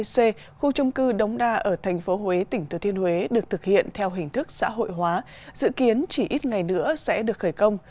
c khu trung cư đống đa ở thành phố huế tỉnh thừa thiên huế được thực hiện theo hình thức xã hội hóa dự kiến chỉ ít ngày nữa sẽ được khởi công